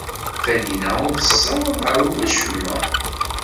Taninna ur tessawaḍ ɣer wacemma.